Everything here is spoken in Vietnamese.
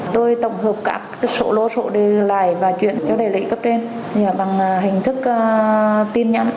tôi tổng hợp các số lô số đề lại và chuyển cho đại lý cấp trên bằng hình thức tin nhắn